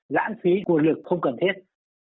giãn phí nguồn lực không cần thiết